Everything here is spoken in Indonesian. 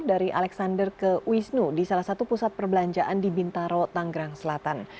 dari alexander ke wisnu di salah satu pusat perbelanjaan di bintaro tanggerang selatan